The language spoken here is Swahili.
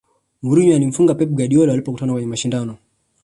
mourinho alimfunga pep guardiola walipokutana kwenye mashindano